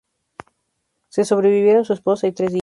Se sobrevivieron su esposa y tres hijas.